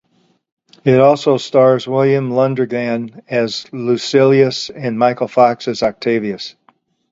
It also stars William Lundigan as Lucilius and Michael Fox as Octavius.